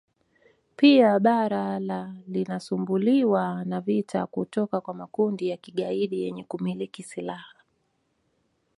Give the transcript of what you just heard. Pia bara la linasumbuliwa na vita kutoka kwa makundi ya kigaidi yenye kumiliki silaha